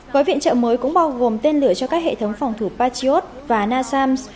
gói viện trợ mới cũng bao gồm tên lửa cho các hệ thống phòng thủ patriot và nasams